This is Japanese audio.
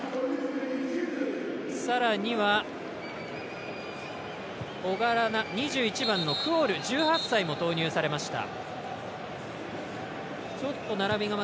さらには小柄な２１番のクオル１８歳も投入されました。